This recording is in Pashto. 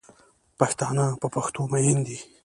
پښتانه په پښتو میین دی